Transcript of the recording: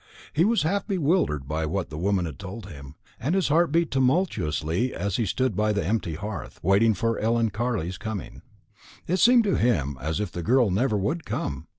He was half bewildered by what the woman had told him, and his heart beat tumultuously as he stood by the empty hearth, waiting for Ellen Carley's coming. It seemed to him as if the girl never would come.